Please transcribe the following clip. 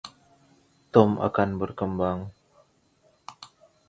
Tom akan berkembang.